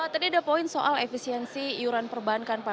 tadi ada poin soal efisiensi iuran perbankan pak